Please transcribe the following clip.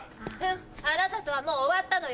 あなたとはもう終わったのよ。